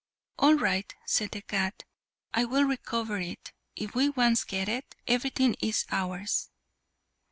"All right," said the cat, "I will recover it. If we once get it, everything is ours."